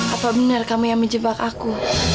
apa benar kamu yang menjebak aku